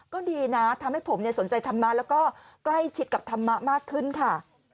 ก็ดีนะทำให้ผมสนใจธรรมะแล้วก็ใกล้ชิดกับธรรมะมากขึ้นค่ะ